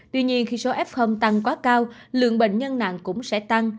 tuy nhiên khi số f tăng quá cao lượng bệnh nhân nặng cũng sẽ tăng